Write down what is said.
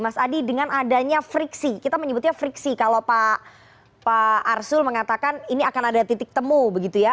mas adi dengan adanya friksi kita menyebutnya friksi kalau pak arsul mengatakan ini akan ada titik temu begitu ya